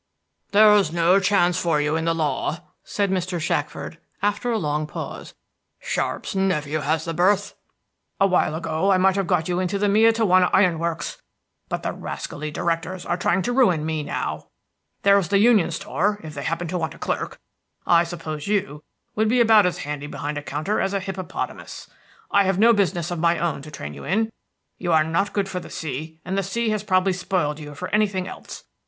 "There's no chance for you in the law," said Mr. Shackford, after a long pause. "Sharpe's nephew has the berth. A while ago I might have got you into the Miantowona Iron Works; but the rascally directors are trying to ruin me now. There's the Union Store, if they happen to want a clerk. I suppose you would be about as handy behind a counter as a hippopotamus. I have no business of my own to train you to. You are not good for the sea, and the sea has probably spoiled you for anything else.